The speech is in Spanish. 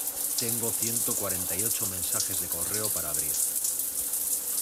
Tengo ciento cuarenta y ocho mensajes de correo para abrir.